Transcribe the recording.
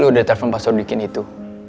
jadi lo udah telepon pak sodikin itu